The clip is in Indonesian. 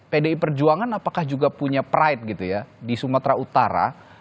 pdi perjuangan apakah juga punya pride gitu ya di sumatera utara